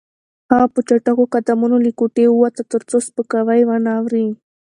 هغه په چټکو قدمونو له کوټې ووته ترڅو سپکاوی ونه اوري.